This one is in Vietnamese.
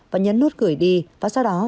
và nhấn nút gửi đi và sau đó